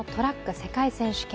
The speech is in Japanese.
世界選手権。